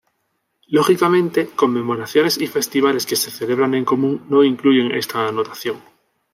Lógicamente, conmemoraciones y Festivales que se celebran en común, no incluyen esta anotación.